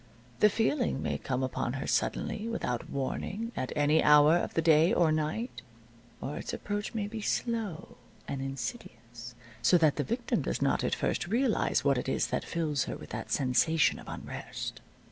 The feeling may come upon her suddenly, without warning, at any hour of the day or night; or its approach may be slow and insidious, so that the victim does not at first realize what it is that fills her with that sensation of unrest.